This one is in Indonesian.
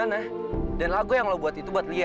nah gue tau nih